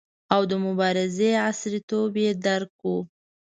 او د مبارزې عصریتوب یې درک کړو.